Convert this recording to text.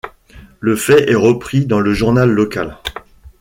Le fait est repris dans le journal local.